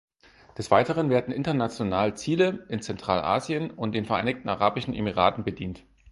Des Weiteren werden international Ziele in Zentralasien und in den Vereinigten Arabischen Emiraten bedient.